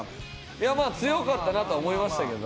いやまあ強かったなとは思いましたけど。